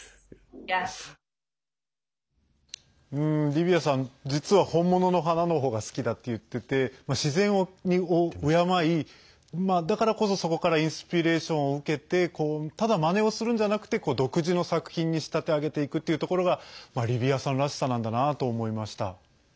リヴィアさん実は本物の花の方が好きだって言ってて自然を敬いだからこそ、そこからインスピレーションを受けてただ、まねをするんじゃなくて独自の作品に仕立て上げていくというところがリヴィアさんらしさなんだなと思いました。